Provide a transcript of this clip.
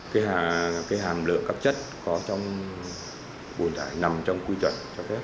cái hàm lượng các chất có trong bùn thải nằm trong quy chuẩn cho phép